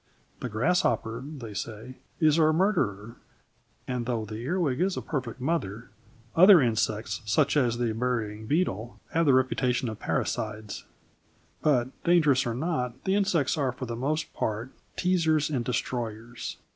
The grasshopper, they say, is a murderer, and, though the earwig is a perfect mother, other insects, such as the burying beetle, have the reputation of parricides, But, dangerous or not, the insects are for the most part teasers and destroyers.